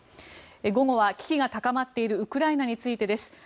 午後は危機が高まっているウクライナについてです。